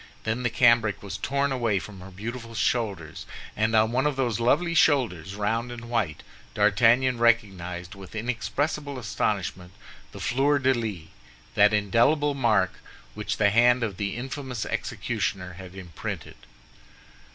Then the cambric was torn from her beautiful shoulders; and on one of those lovely shoulders, round and white, D'Artagnan recognized, with inexpressible astonishment, the fleur de lis—that indelible mark which the hand of the infamous executioner had imprinted.